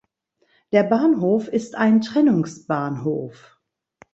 Der Bahnhof ist ein Trennungsbahnhof.